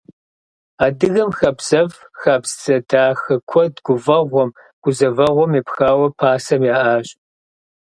Адыгэм хабзэфӀ, хабзэ дахэ куэд гуфӀэгъуэм, гузэвэгъуэм епхауэ пасэм яӀащ.